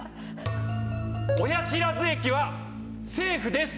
おやしらず駅はセーフです。